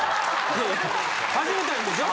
始めたいんでしょ？